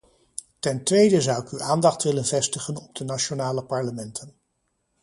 Ten tweede zou ik uw aandacht willen vestigen op de nationale parlementen.